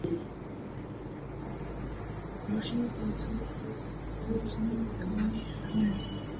Վերջինս դարձել է պլատինե մի քանի երկրներում։